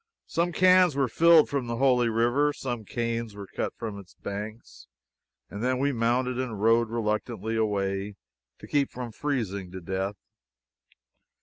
Some cans were filled from the holy river, some canes cut from its banks, and then we mounted and rode reluctantly away to keep from freezing to death.